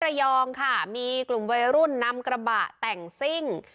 ระยองค่ะมีกลุ่มวัยรุ่นนำกระบะแต่งซิ่ง